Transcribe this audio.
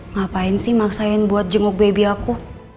ngapain sih maksain buat jenguk baby aku